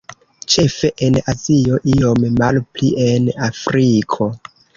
Ĉefe en Azio, iom malpli en Afriko.